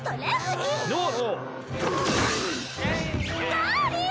ダーリン！